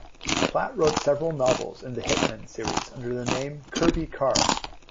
Platt wrote several novels in the "Hitman" series under the name Kirby Carr.